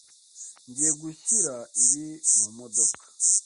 Ngiye gushyira ibi mumodoka.